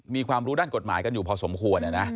มีความรู้ด้านกฎหมายกันอยู่พอสมควร